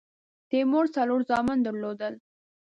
تیمور څلور زامن درلودل.